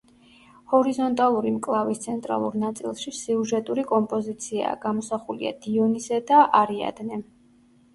ჰორიზონტალური მკლავის ცენტრალურ ნაწილში სიუჟეტური კომპოზიციაა: გამოსახულია დიონისე და არიადნე.